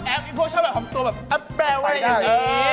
แอปเปลี่ยนไว้อย่างนี้